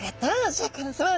シャーク香音さま